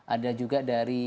ada juga dari